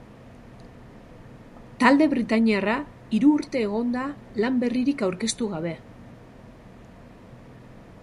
Talde britainiarra hiru urte egon da lan berririk aurkeztu gabe.